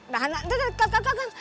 nah nah entar kan kan kan kan